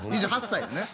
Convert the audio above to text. ２８歳ね。